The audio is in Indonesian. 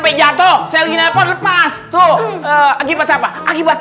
beli ketsan di cikini